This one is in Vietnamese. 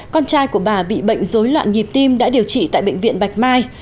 con trai của bà bị bệnh dối loạn nhịp tim đã điều trị tại bệnh viện bạch mai